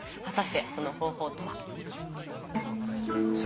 果たしてその方法とは。